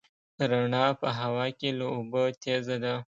رڼا په هوا کې له اوبو تېزه ده.